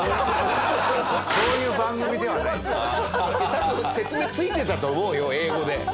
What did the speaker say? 多分説明ついてたと思うよ英語で。